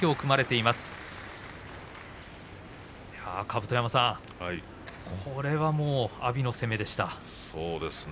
いや、甲山さんこれは阿炎の攻めでしたね。